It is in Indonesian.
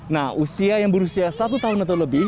nah usia yang berusia satu tahun atau lebih